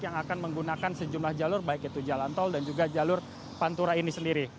yang akan menggunakan sejumlah jalur baik itu jalan tol dan juga jalur pantura ini sendiri